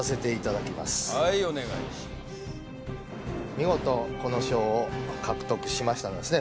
見事この賞を獲得しましたのはですね